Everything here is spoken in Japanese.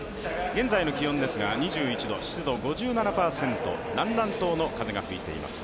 現在の気温は２１度、湿度５７％、南南東の風が吹いています